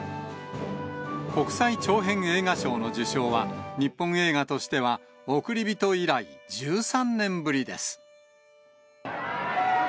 国際長編映画賞の受賞は、日本映画としてはおくりびと以来１３年ぶりです。